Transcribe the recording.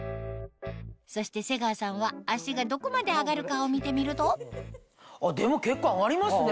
そして瀬川さんは足がどこまで上がるかを見てみるとでも結構上がりますね。